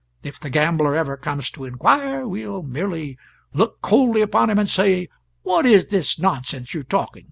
If the gambler ever comes to inquire, we'll merely look coldly upon him and say: 'What is this nonsense you are talking?